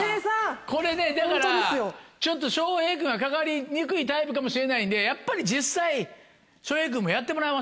これねだから翔平君がかかりにくいタイプかもしれないんでやっぱり実際翔平君もやってもらいましょう。